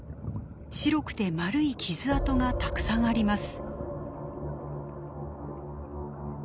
白くて丸い傷痕がたくさんあります。